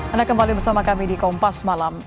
anda kembali bersama kami di kompas malam